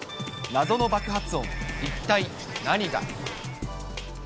謎の爆発音、一体何が？